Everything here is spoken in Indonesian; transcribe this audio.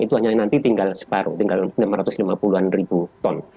itu hanya nanti tinggal separuh tinggal lima ratus lima puluh an ribu ton